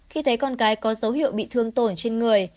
khi thấy con cái có dấu hiệu bị thương tổn trên người